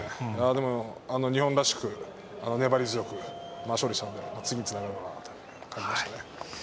でも日本らしく粘り強く勝利したので次につながるのかなと思いましたね。